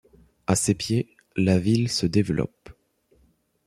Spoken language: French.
À ses pieds, la ville se développe.